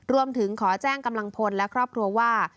รวมถึงขอแจ้งกำลังพลและครอบครัวว่า